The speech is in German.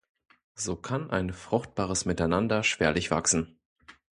So kann ein fruchtbares Miteinander schwerlich wachsen.